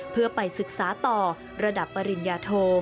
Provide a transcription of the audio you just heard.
เพื่อไปศึกษาต่อระดับปริญญาโท